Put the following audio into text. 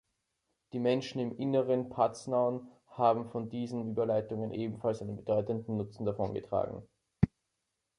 Die Menschen im inneren Paznaun haben von diesen Überleitungen ebenfalls einen bedeutenden Nutzen davongetragen.